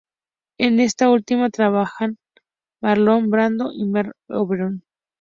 En esta última trabajaban Marlon Brando y Merle Oberon.